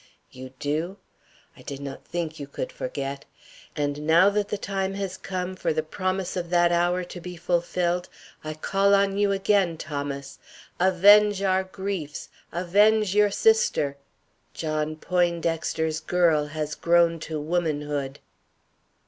You do? I did not think you could forget; and now that the time has come for the promise of that hour to be fulfilled, I call on you again, Thomas. Avenge our griefs, avenge your sister. _Poindexter's girl has grown to womanhood.